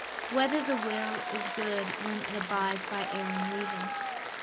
6] Whether the Will Is Good When It Abides by Erring Reason?